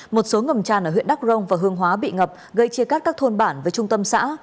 một số ngầm tràn ở huyện đắk rông và hương hóa bị ngập gây chia cắt các thôn bản với trung tâm xã